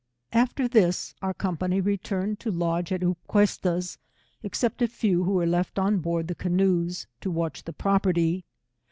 After this our company returned to lodge at Up questa's, except a few who were left on board the canoes, to watch the property.